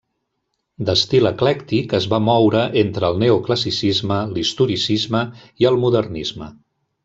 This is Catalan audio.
D'estil eclèctic, es va moure entre el neoclassicisme, l'historicisme i el modernisme.